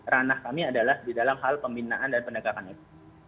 ranah kami adalah di dalam hal pembinaan dan penegakan hukum